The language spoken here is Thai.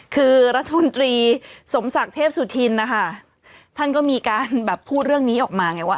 คือรัฐมนตรีสมศักดิ์เทพสุธินนะคะท่านก็มีการแบบพูดเรื่องนี้ออกมาไงว่า